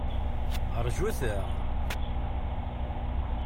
Rjut-aɣ!